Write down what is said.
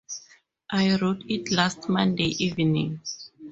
I wrote it last Monday evening.